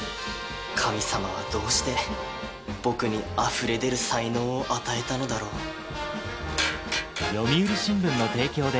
神様はどうして僕にあふれ出る才能を与えたのだろう。